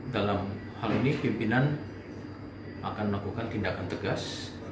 dalam hal ini pimpinan akan melakukan tindakan tegas